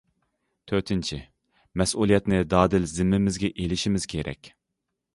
تۆتىنچى، مەسئۇلىيەتنى دادىل زىممىمىزگە ئېلىشىمىز كېرەك.